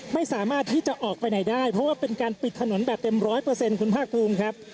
ไม่สามารถที่จะออกไปไหนได้เพราะว่าเป็นการปิดถนนแบบเต็มร้อยเปอร์เซ็นคุณภาคภูมิครับ